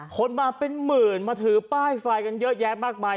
คนมาเป็นหมื่นมาถือป้ายไฟกันเยอะแยะมากมาย